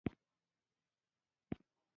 غزنی، د اسلامي تمدن پلازمېنه وټاکل شوه.